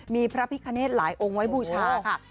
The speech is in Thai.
มีพระพิคเนตหลายองค์ไว้บูชาค่ะ